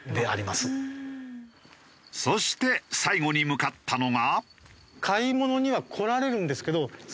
そして最後に向かったのが。